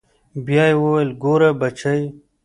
بيا يې وويل ګوره بچى.